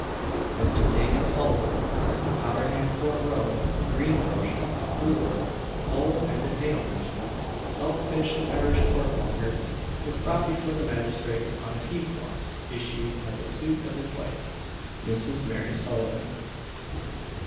Mr. Daniel Sullivan, of Tottenham court road, green grocer, fruiterer, coal and potato merchant, salt fish and Irish pork monger, was brought before the magistrate on a peace warrant issued at the suit of his wife, Mrs. Mary Sullivan.